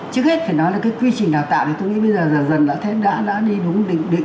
trước hết phải nói là cái quy trình đào tạo thì tôi nghĩ bây giờ dần đã đi đúng định định